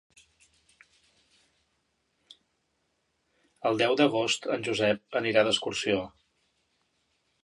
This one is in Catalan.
El deu d'agost en Josep anirà d'excursió.